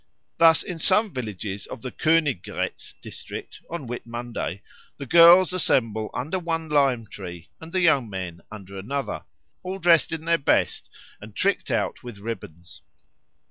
Thus in some villages of the Königgrätz district on Whit Monday the girls assemble under one lime tree and the young men under another, all dressed in their best and tricked out with ribbons.